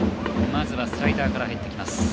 まずはスライダーから入っていきます。